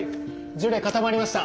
ジュレ固まりました。